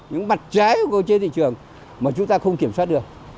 những mặt trái của cơ chế thị trường mà chúng ta không kiểm soát được